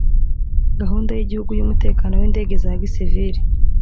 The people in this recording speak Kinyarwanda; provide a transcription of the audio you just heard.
gahunda y igihugu y umutekano w indege za gisiviri